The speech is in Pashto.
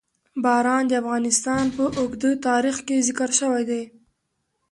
باران د افغانستان په اوږده تاریخ کې ذکر شوی دی.